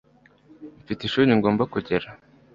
Mfite ishuri ngomba kugera